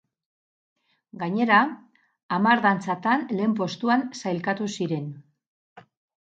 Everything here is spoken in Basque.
Gainera, hamar dantzatan lehen postuan sailkatu ziren.